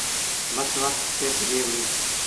بس وکت تي پُڄي وُهڙي۔